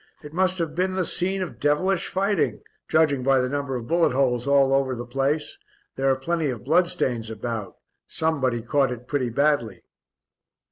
It must have been the scene of devilish fighting judging by the number of bullet holes all over the place. There are plenty of bloodstains about, somebody caught it pretty badly."